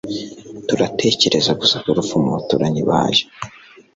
Turatekereza gusa ku rupfu mu baturanyi bayo